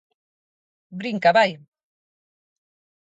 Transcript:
Brinca vai.